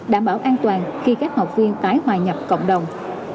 đảm bảo an toàn khi các học viên tái hòa nhập cộng đồng